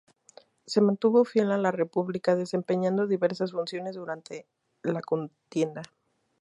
Se mantuvo fiel a la República, desempeñando diversas funciones durante la contienda.